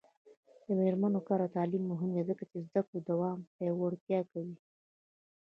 د میرمنو کار او تعلیم مهم دی ځکه چې زدکړو دوام پیاوړتیا کوي.